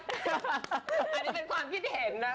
อันนี้เป็นความคิดเห็นนะ